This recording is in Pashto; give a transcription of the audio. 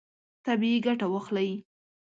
طبیعي ګټه واخلئ.